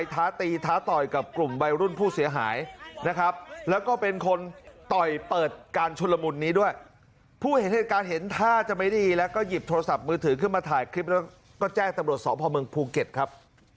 ต่อยกับกลุ่มวัยรุ่นผู้เสียหายนะครับแล้วก็เป็นคนต่อยเปิดการชุดละมุดนี้ด้วยผู้เห็นเหตุการณ์เห็นท่าจะไม่ดีแล้วก็หยิบโทรศัพท์มือถือขึ้นมาถ่ายคลิปแล้วก็แจ้งตำรวจสอบภาวเมืองภูเก็ตครับ